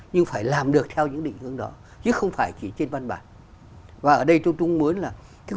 nhưng phải làm được theo những định hướng đó chứ không phải chỉ trên văn bản và ở đây tôi muốn là cái